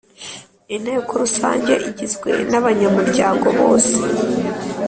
Inteko Rusange igizwe n abanyamuryango bose